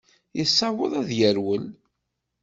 Yessaweḍ ad yerwel.